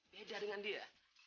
beda dengan dia